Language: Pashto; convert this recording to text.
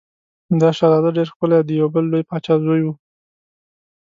دا شهزاده ډېر ښکلی او د یو بل لوی پاچا زوی و.